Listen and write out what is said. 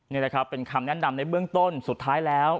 นี่แหละครับเป็นคำแนะนำในเบื้องต้นสุดท้ายแล้ว